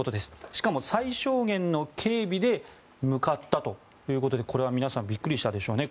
しかも最小限の警備で向かったということでこれは皆さんビックリしたでしょうね。